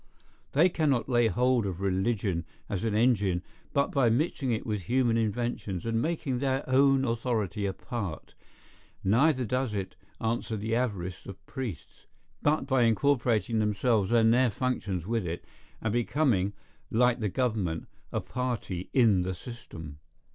They cannot lay hold of religion as an engine but by mixing it with human inventions, and making their own authority a part; neither does it answer the avarice of priests, but by incorporating themselves and their functions with it, and becoming, like the government, a party in the system.